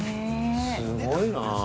◆すごいなあ。